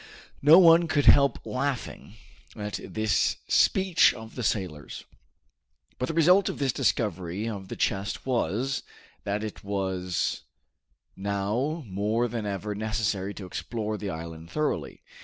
No one could help laughing at this speech of the sailor's. But the result of this discovery of the chest was, that it was now more than ever necessary to explore the island thoroughly.